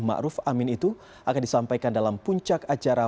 ma'ruf amin itu akan disampaikan dalam puncak acara